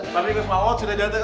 tapi ke k mod sudah jatuh